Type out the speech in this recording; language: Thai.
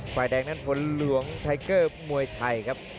ฝนหลวงไทเกอร์มวยไทยครับ